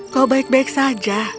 kau baik baik saja